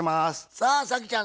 さあ早希ちゃん